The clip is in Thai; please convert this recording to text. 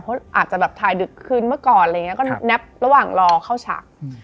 เพราะอาจจะแบบถ่ายดึกคืนเมื่อก่อนอะไรอย่างนี้ก็แนบระหว่างรอเข้าฉาก